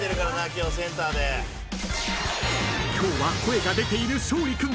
［今日は声が出ている勝利君